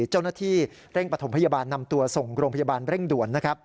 เจ้าหน้าที่เร่งปฐมพยาบาลนำตัวส่งโรงพยาบาลเร่งด่วน